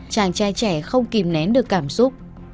chàng trai trẻ không kìm nén được cảm xúc